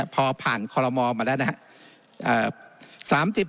พอผ่านคอลโมมาแล้วนะครับ